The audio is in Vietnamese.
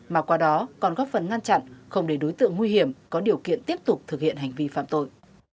mà qua đó còn góp phần ngăn chặn không để đối tượng nguy hiểm có điều kiện tiếp tục thực hiện hành vi phạm tội